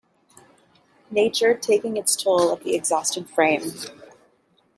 Nature taking its toll of the exhausted frame.